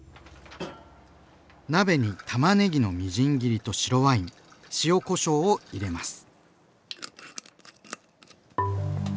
鍋にたまねぎのみじん切りと白ワイン塩こしょうを入れます。